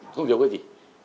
không hiểu cái gì